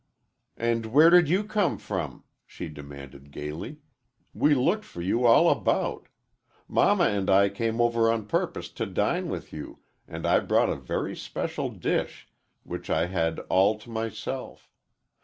"And where did you come from?" she demanded gayly. "We looked for you all about. Mamma and I came over on purpose to dine with you, and I brought a very especial dish, which I had all to myself.